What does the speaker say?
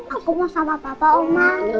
aku mau sama bapak oma